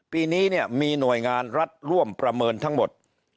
ปีนี้เนี่ยมีหน่วยงานรัฐร่วมประเมินทั้งหมด